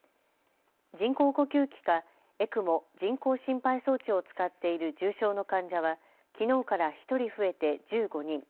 人工呼吸器かＥＣＭＯ・人工心肺装置を使っている重症の患者はきのうから１人増えて１５人。